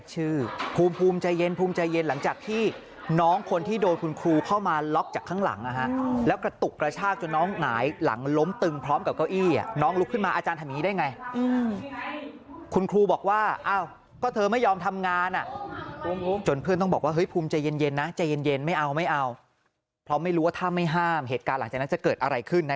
ภูมิภูมิภูมิภูมิภูมิภูมิภูมิภูมิภูมิภูมิภูมิภูมิภูมิภูมิภูมิภูมิภูมิภูมิภูมิภูมิภูมิภูมิภูมิภูมิภูมิภูมิภูมิภูมิภูมิภูมิภูมิภูมิภูมิภูมิภูมิภูมิภูมิ